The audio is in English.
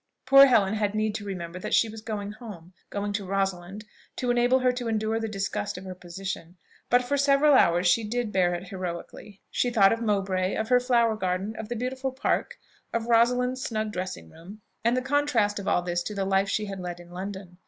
Poor Helen had need to remember that she was going home going to Rosalind, to enable her to endure the disgust of her position; but for several hours she did bear it heroically. She thought of Mowbray, of her flower garden, of the beautiful Park, of Rosalind's snug dressing room, and the contrast of all this to the life she had led in London.